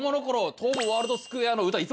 東武ワールドスクウェアの。